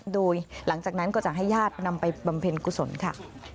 โดยหลังจากนั้นก็จะให้ญาตินำไปบำเพ็ญกุศลค่ะ